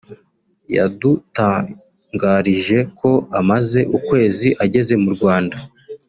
yadutangarije ko amaze ukwezi ageze mu Rwanda